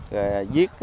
giết đăng ký